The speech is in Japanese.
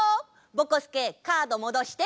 ぼこすけカードもどして。